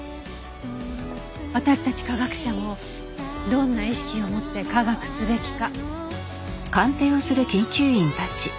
私たち科学者もどんな意識を持って科学すべきか。